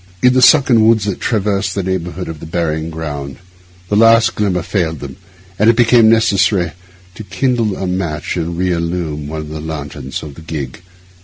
In the sunken woods that traverse the neighbourhood of the burying ground the last glimmer failed them, and it became necessary to kindle a match and re illumine one of the lanterns of the gig.